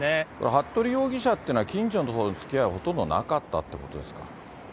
服部容疑者ってのは、近所とのつきあいほとんどなかったってことですか。